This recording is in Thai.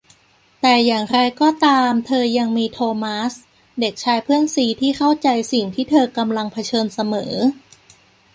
แต่อย่างไรก็ตามเธอยังมี โธมัส เด็กชายเพื่อนซี้ที่เข้าใจสิ่งที่เธอกำลังเผชิญเสมอ